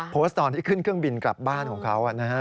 โพสต์ตอนที่ขึ้นเครื่องบินกลับบ้านของเขา